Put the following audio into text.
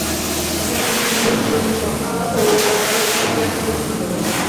অনেক হিন্দুসাধক ঈশ্বরকে সখা ও খেলার সাথী জ্ঞানে উপাসনা করে।